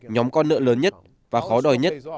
nhóm con nợ lớn nhất và khó đòi nhất